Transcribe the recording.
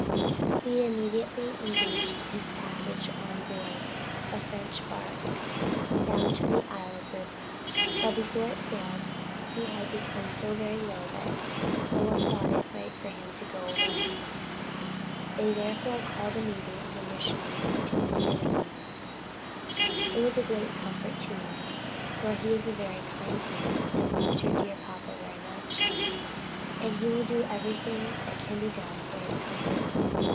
We immediately engaged his passage on board a French barque, bound for the Isle of Bourbon; but before it sailed he had become so very low that no one thought it right for him to go alone. They therefore called a meeting of the mission and appointed Mr. Ranney. It was a great relief to me, for he is a very kind man, and loves your dear papa very much; and he will do everything that can be done for his comfort.